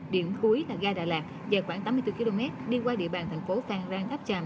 điểm cuối là ga đà lạt dài khoảng tám mươi bốn km đi qua địa bàn thành phố phan rang tháp tràm